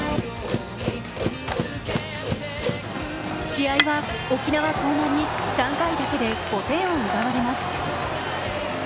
試合は沖縄・興南に３回だけで５点を奪われます。